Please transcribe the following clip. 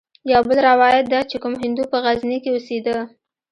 يو بل روايت ديه چې کوم هندو په غزني کښې اوسېده.